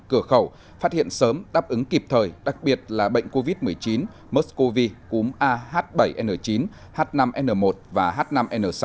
cửa khẩu phát hiện sớm đáp ứng kịp thời đặc biệt là bệnh covid một mươi chín mers cov bảy n chín h năm n một và h năm n sáu